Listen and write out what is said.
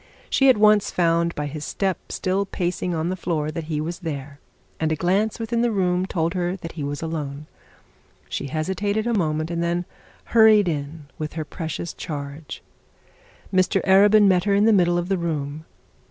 She at once found, by the step still pacing on the floor, that he was there; and a glance within the room told her that he was alone. She hesitated a moment, and then hurried in with her precious charge. Mr Arabin met her in the middle of the room.